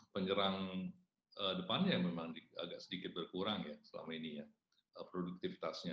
penyerang depannya memang agak sedikit berkurang ya selama ini ya produktifitasnya